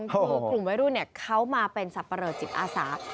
คือกลุ่มวัยรุ่นเขามาเป็นสับปะเลอจิตอาสา